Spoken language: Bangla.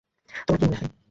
তোমার কী মনে হয়?